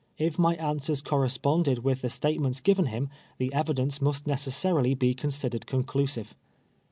If my answers corresponded with the statements giv en him, the evidence must necessarily be considered conclusive.